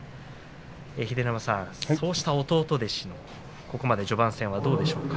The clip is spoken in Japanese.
秀ノ山さん、そうした弟弟子ここまで序盤戦はどうでしょうか。